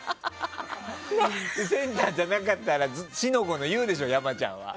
センターじゃなかったら四の五の言うでしょ、山ちゃんは。